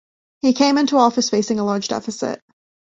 He came into office facing a large deficit.